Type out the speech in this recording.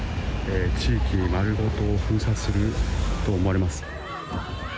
地域を丸ごと封鎖すると思われます。